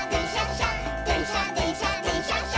しゃでんしゃでんしゃでんしゃっしゃ」